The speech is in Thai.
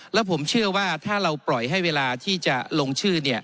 แล้วผมเชื่อว่าถ้าเราปล่อยให้เวลาที่จะลงชื่อ